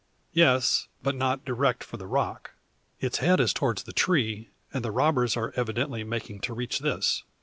Yes; but not direct for the rock. Its head is towards the tree, and the robbers are evidently making to reach this.